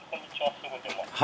すぐ出ます。